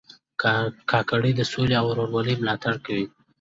کاکړي د سولې او ورورولۍ ملاتړ کوي.